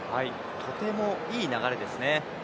とてもいい流れですね。